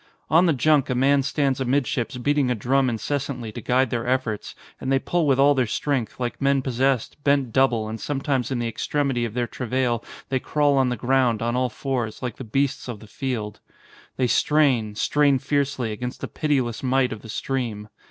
On the junk a man stands amidships beating a drum in cessantly to guide their efforts, and they pull with all their strength, like men possessed, bent double ; and sometimes in the extremity of their travail they crawl on the ground, on all fours, like the beasts of the field. They strain, strain fiercely, against the pitiless might of the stream.